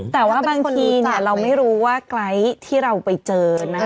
แต่ว่าบางทีเราไม่รู้ว่าไกล์ที่เราไปเจอนะคะ